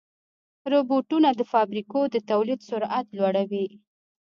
روبوټونه د فابریکو د تولید سرعت لوړوي.